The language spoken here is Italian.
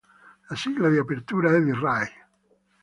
La sigla di apertura è di Ray.